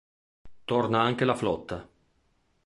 Torna anche la flotta.